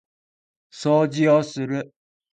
掃除をする